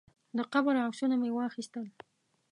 د قبر عکسونه مې واخیستل.